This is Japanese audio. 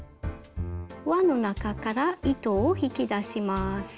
輪の中から糸を引き出します。